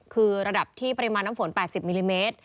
คือระดับที่ปริมาณน้ำฝน๘๐มิลลิเมตร